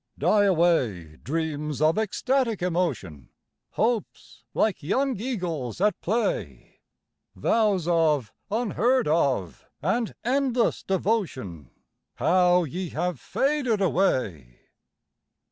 Die away dreams of ecstatic emotion, Hopes like young eagles at play, Vows of unheard of and endless devotion, How ye have faded away!